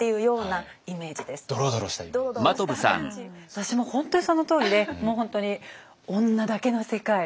私も本当にそのとおりでもう本当に女だけの世界。